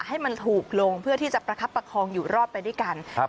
ให้มันถูกลงเพื่อที่จะประคับประคองอยู่รอดไปด้วยกันครับ